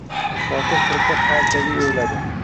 Botir firqa partiyaviy o‘yladi: